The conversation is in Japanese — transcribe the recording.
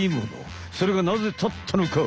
それがなぜ立ったのか？